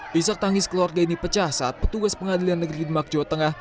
pisak tangis keluarga ini pecah saat petugas pengadilan negeri demak jawa tengah